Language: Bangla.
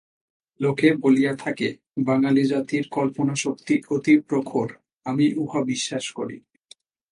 লোকে বলিয়া থাকে, বাঙালী জাতির কল্পনাশক্তি অতি প্রখর, আমি উহা বিশ্বাস করি।